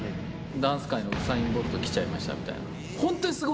ダンス界のウサイン・ボルト来ちゃいましたみたいな。